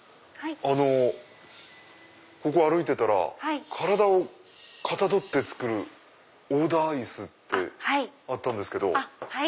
あのここ歩いてたら体をかたどって作るオーダー椅子ってあったんです。